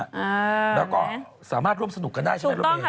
อ้าวแล้วก็สามารถร่วมสนุกกันได้ใช่ไหมลูกมี